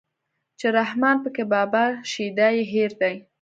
چې رحمان پکې بابا شيدا يې هېر دی